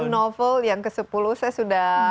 novel yang ke sepuluh saya sudah